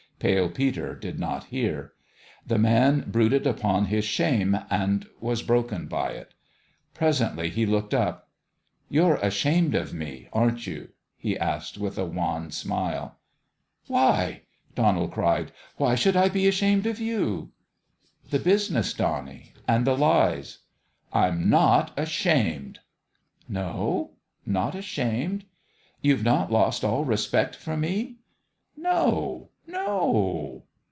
Pale Peter did not hear. The man brooded upon his shame, and was broken by it. Presently he looked up. " You're ashamed of me, aren't you ?" he asked, with a wan smile. "Why?" Donald cried. "Why should I be ashamed of you ?"" The business, Donnie and the lies.' 7 " I'm not ashamed !"" No ? Not ashamed ? You've not lost all respect for me ?"" No, no